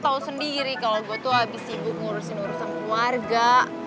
lo tau sendiri kalo gue tuh abis sibuk ngurusin urusan keluarga